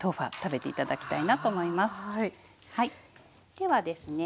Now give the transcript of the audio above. ではですね